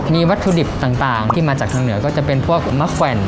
มีวัตถุดิบต่างที่มาจากทางเหนือก็จะเป็นพวกมะแขวน